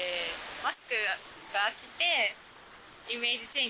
マスクがあって。